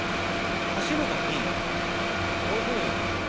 走るのにこういうふうに走ったら。